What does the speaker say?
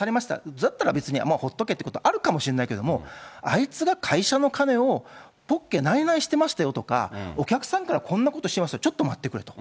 だったら別にほっとけってこともあるかもしれないけども、あいつが会社の金をポッケないないしてましたよとか、お客さんからこんなことしてますよ、ちょっと待ってくれと。